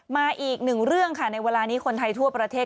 มาอีกหนึ่งเรื่องค่ะในเวลานี้คนไทยทั่วประเทศ